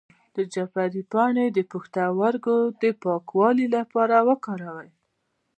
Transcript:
د جعفری پاڼې د پښتورګو د پاکوالي لپاره وکاروئ